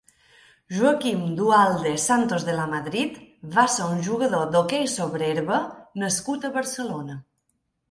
Joaquim Dualde Santos de Lamadrid va ser un jugador d'hoquei sobre herba nascut a Barcelona.